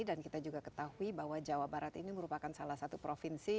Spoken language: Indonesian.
dan kita juga ketahui bahwa jawa barat ini merupakan salah satu provinsi